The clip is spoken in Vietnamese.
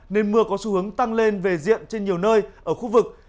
nên mưa có xu hướng tăng lên về diện trên nhiều nơi ở khu vực